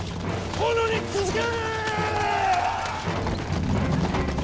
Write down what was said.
殿に続け！